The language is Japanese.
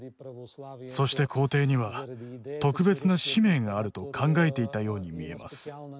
そして皇帝には特別な使命があると考えていたように見えます。